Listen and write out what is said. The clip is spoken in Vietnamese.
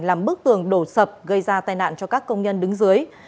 làm bức tường đổ sập gây ra tai nạn cho các công nhân đứng dưới